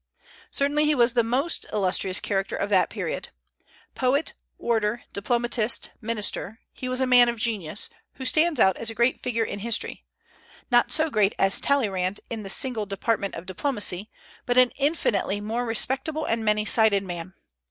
Certainly he was the most illustrious character of that period. Poet, orator, diplomatist, minister, he was a man of genius, who stands out as a great figure in history; not so great as Talleyrand in the single department of diplomacy, but an infinitely more respectable and many sided man.